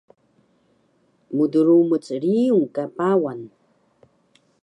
Mdrumuc riyung ka Pawan